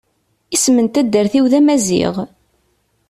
Isem n taddart-iw d amaziɣ.